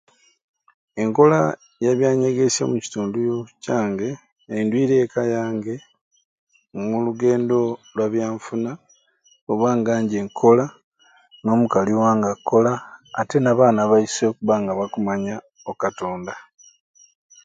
Enkola ya byanyegesya omukitundu kyange eindwire eka yange mu lugendo lwa byanfuna kubanga nje nkukola n'omukali wange akukola ate n'abaana baiswe okubba nga bakumanya o katonda.